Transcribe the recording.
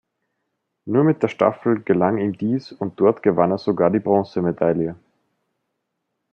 Nur mit der Staffel gelang ihm dies und dort gewann er sogar die Bronzemedaille.